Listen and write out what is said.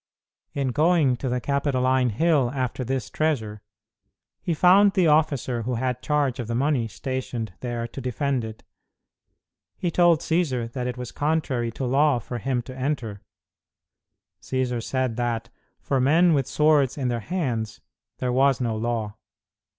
In going to the Capitoline Hill after this treasure, he found the officer who had charge of the money stationed there to defend it. He told Cćsar that it was contrary to law for him to enter. Cćsar said that, for men with swords in their hands, there was no law.